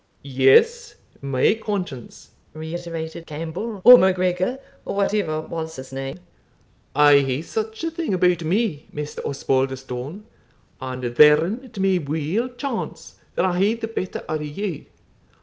"Yes, my conscience," reiterated Campbell, or MacGregor, or whatever was his name; "I hae such a thing about me, Maister Osbaldistone; and therein it may weel chance that I hae the better o' you.